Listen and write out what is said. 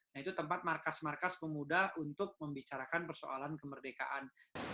nah itu tempat markas markas pemuda untuk membicarakan persoalan kemerdekaan